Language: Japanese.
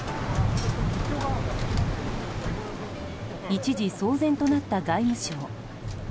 一時、騒然となった外務省。